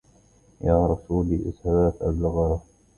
يا رسولي اذهبا فأبلغاها